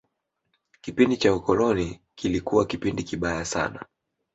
kipindi cha ukoloni kilikuwa kipindi kibaya sana